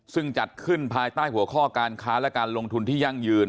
ซึ่งจัดขึ้นภายใต้หัวข้อการค้าและการลงทุนที่ยั่งยืน